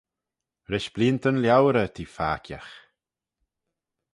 Rish bleeantyn liauyrey t'eh farkiagh.